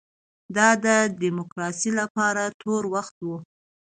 دا د ډیموکراسۍ لپاره تور وخت و.